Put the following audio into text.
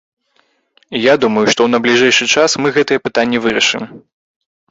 І я думаю, што ў найбліжэйшы час мы гэтыя пытанні вырашым.